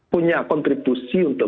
punya kontribusi untuk